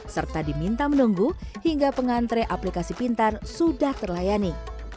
serta diminta menunggu hingga pengantre aplikasi pintar sudah terlayani